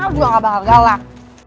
aku juga gak bakal galak